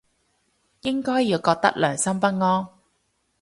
應該要覺得良心不安